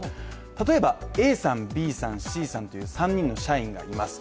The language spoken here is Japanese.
例えば、Ａさん、Ｂさん、Ｃさんという３人の社員がいます。